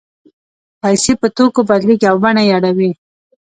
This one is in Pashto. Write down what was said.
پیسې په توکو بدلېږي او بڼه یې اوړي